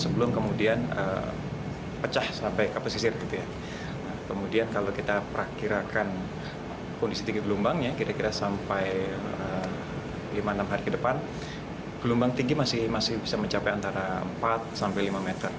gelombang tinggi masih bisa mencapai antara empat sampai lima meter